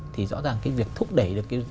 thì rõ ràng cái việc thúc đẩy được